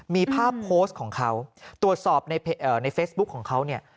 มีภาพโพสต์ของเขาตรวจสอบในเฟซบุ๊คของเขาเนี่ย